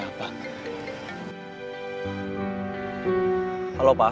apa yang pak kira kira pak